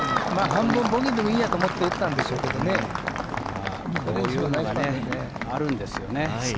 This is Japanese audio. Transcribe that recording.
ボギーでもいいやと思って打ったんでしょうけどね、こういうのがあるんですよね。